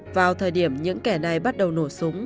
vào thời điểm những kẻ này bắt đầu nổi